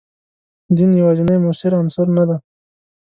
دین یوازینی موثر عنصر نه دی.